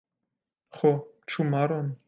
Ho, ĉu maron?